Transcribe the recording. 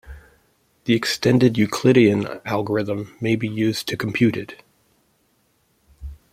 The extended Euclidean algorithm may be used to compute it.